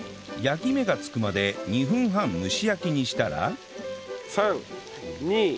焼き目がつくまで２分半蒸し焼きにしたら